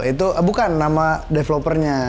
itu bukan nama developernya